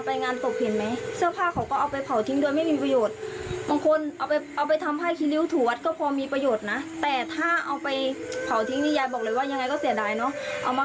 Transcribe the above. ตอนแรกเขาบอกตอนแรกนึกว่าตกใจตัวเองตกใจคือคนดูเยอะ